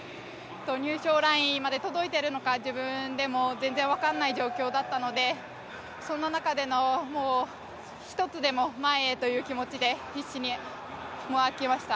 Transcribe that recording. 入賞ラインまで届いてるのか、自分でも全然分かんない状況だったんでそんな中での一つでも前へという気持ちで必死にもがきました。